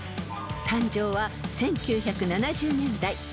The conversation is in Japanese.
［誕生は１９７０年代］